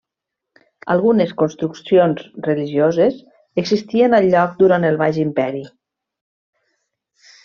Algunes construccions religioses existien al lloc durant el Baix Imperi.